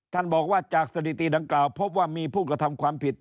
บอกว่าจากสถิติดังกล่าวพบว่ามีผู้กระทำความผิด